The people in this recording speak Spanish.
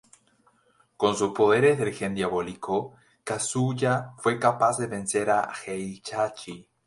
Con sus poderes del Gen Diabólico, Kazuya fue capaz de vencer a Heihachi.